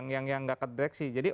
yang tidak ke dereksi jadi